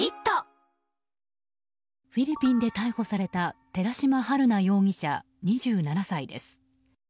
フィリピンで逮捕された寺島春奈容疑者、２７歳です。